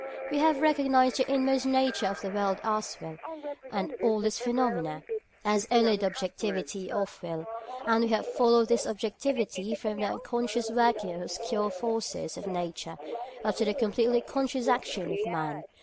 We have recognised the inmost nature of the world as will, and all its phenomena as only the objectivity of will; and we have followed this objectivity from the unconscious working of obscure forces of Nature up to the completely conscious action of man.